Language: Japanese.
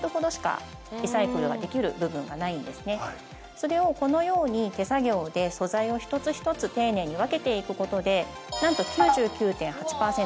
それをこのように手作業で素材を一つ一つ丁寧に分けていくことでなんと９９．８％